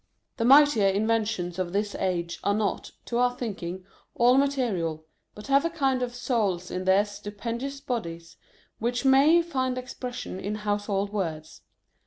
The mightier inventions of this age are not, to our thinking, all material, but have a kind of souls in their stupendous bodies which may find expression in Household Words.